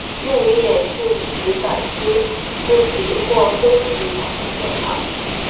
电鱼也藉此感知自己或非自己产生的电场。